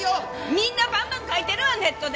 みんなバンバン書いてるわネットで！